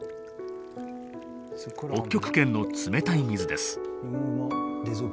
北極圏の冷たい水です。